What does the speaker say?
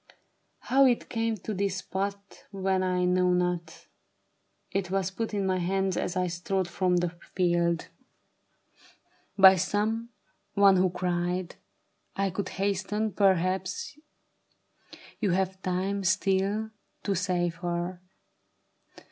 " How it came to this spot — when, I know not. It was put in my hands as I strode from the field, A TRAGEDY OF SEDAN: 7? By some one who cried, ' If you hasten, perhaps You have tmie still to save her.'